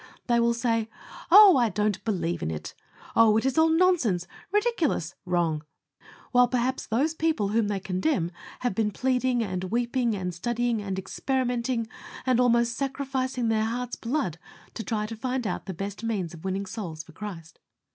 They will say, "Oh! I don't believe in it." "Oh! it is all nonsense, ridiculous, wrong!" while, perhaps, those people whom they condemn have been pleading, and weeping, and studying, and experimenting, and almost sacrificing their heart's blood to try to find out the best means of winning souls for Christ.